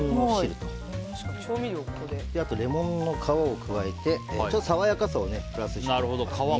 あと、レモンの皮を加えて爽やかさをプラスしていきます。